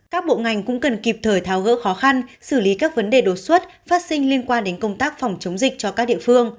các bộ ngành cũng cần kịp thời tháo gỡ khó khăn xử lý các vấn đề đột xuất phát sinh liên quan đến công tác phòng chống dịch cho các địa phương